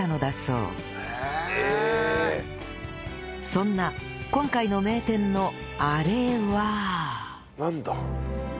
そんな今回の名店のアレはなんだ？